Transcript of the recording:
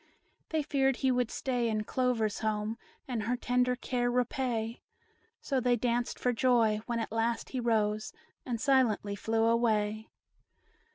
They feared he would stay in Clover's home, And her tender care repay; So they danced for joy, when at last he rose And silently flew away.